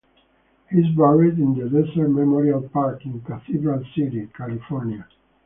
He is buried in the Desert Memorial Park in Cathedral City, California.